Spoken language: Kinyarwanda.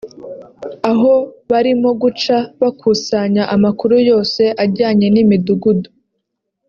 Aho barimo guca bakusanya amakuru yose ajyanye n’imidugudu